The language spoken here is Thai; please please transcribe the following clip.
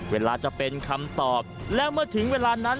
เวลาจะเป็นคำตอบแล้วเมื่อถึงเวลานั้น